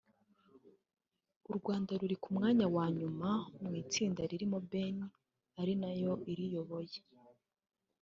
u Rwanda ruri ku mwanya wa nyuma mu itsinda ririmo Benin ari nayo iriyoboye